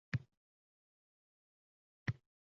Hali beri boshlanmaydi.